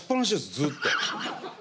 ずっと。